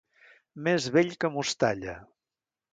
Més vell que Mostalla.